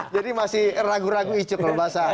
jadi masih ragu ragu icu kalau bahasa